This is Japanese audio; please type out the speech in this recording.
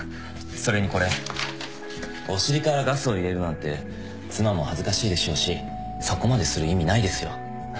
それにこれお尻からガスを入れるなんて妻も恥ずかしいでしょうしそこまでする意味ないですよ。